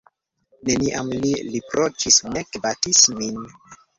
Neniam li riproĉis, nek batis min.